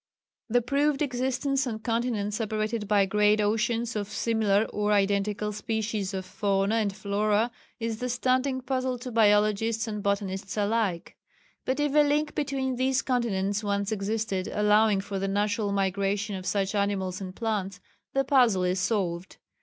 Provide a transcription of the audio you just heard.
_ The proved existence on continents separated by great oceans of similar or identical species of fauna and flora is the standing puzzle to biologists and botanists alike. But if a link between these continents once existed allowing for the natural migration of such animals and plants, the puzzle is solved.